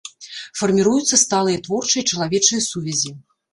Фарміруюцца сталыя творчыя і чалавечыя сувязі.